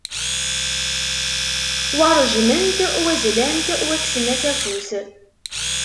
Wa ṛejmen-t, wa zlan-t, wa kksen-as afus.